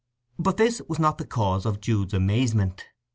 But this was not the cause of Jude's amazement.